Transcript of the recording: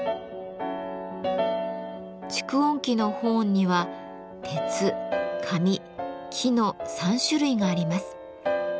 蓄音機のホーンには鉄紙木の３種類があります。